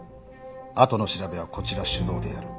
あとの調べはこちら主導でやる。